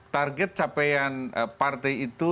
target capaian partai itu